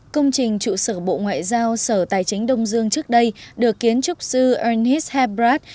công trình trụ sở bộ ngoại giao sở tài chính đông dương trước đây được kiến trúc sư anis harbrad